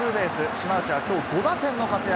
島内はきょう５打点の活躍。